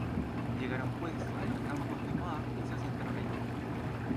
Llegaron pues á los campos de Moab, y asentaron allí.